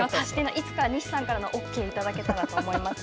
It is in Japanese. いつか西さんからのオーケーをいただけたらと思います。